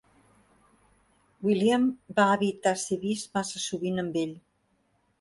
William va evitar ser vist massa sovint amb ell.